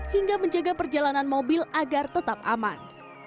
hingga menjaga perjalanan mobil agar tetap aman